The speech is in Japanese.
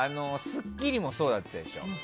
「スッキリ」もそうだったでしょ。